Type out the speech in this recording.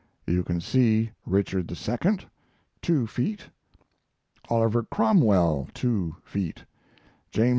You can see Richard II., two feet; Oliver Cromwell, two feet; James II.